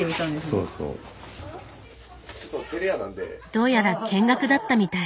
どうやら見学だったみたい。